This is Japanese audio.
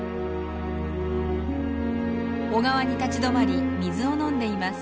小川に立ち止まり水を飲んでいます。